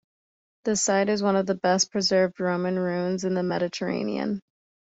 The site is one of best preserved Roman ruins in the Mediterranean.